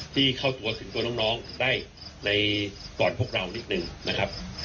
ที่เข้าตัวถึงตัวน้องได้ในก่อนพวกเรานิดหนึ่งนะครับ